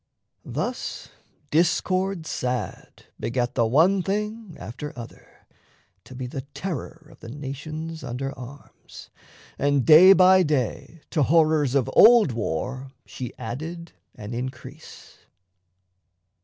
Thus Discord sad Begat the one Thing after other, to be The terror of the nations under arms, And day by day to horrors of old war She added an increase.